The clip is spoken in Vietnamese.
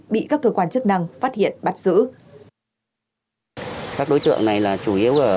bị các cơ quan chức năng phát hiện bắt giữ